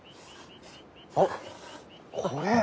あっこれ。